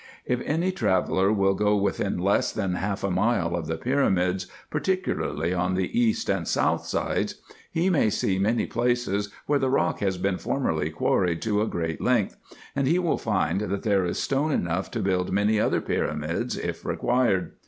If any traveller will go within less than half a mile of the pyramids, particularly on the east and south sides, he may see many places, where the rock has been for merly quarried to a great length ; and he will find that there is stone enough to build many other pyramids if required.